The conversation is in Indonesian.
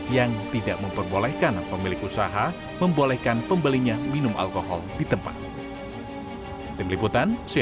yang tidak memperbolehkan pemilik usaha membolehkan pembelinya minum alkohol di tempat